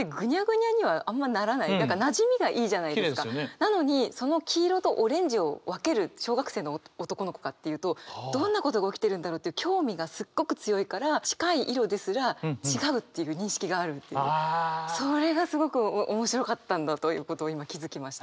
なのにその黄色とオレンジを分ける小学生の男の子かっていうとどんなことが起きてるんだろうって興味がすっごく強いから近い色ですら違うっていう認識があるっていうそれがすごく面白かったんだということを今気付きました。